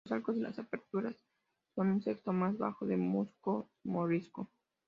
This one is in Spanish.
Los arcos de las aperturas son un sexto más bajo, de gusto morisco.